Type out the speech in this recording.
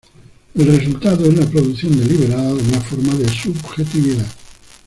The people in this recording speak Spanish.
El resultado es la producción deliberada de una forma de subjetividad.